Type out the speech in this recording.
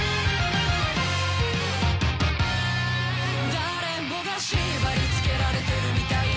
誰もが縛り付けられてるみたいだ